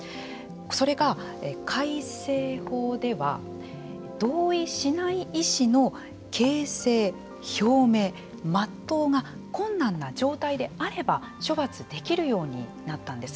それが、改正法では同意しない意思の形成・表明・全うが困難な状態であれば処罰できるようになったんです。